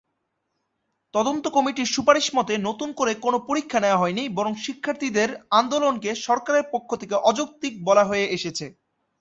তদন্ত কমিটির সুপারিশ মতে নতুন করে কোন পরীক্ষা নেয়া হয়নি বরং শিক্ষার্থীদের আন্দোলনকে সরকারের পক্ষ থেকে অযৌক্তিক বলা হয়ে এসেছে।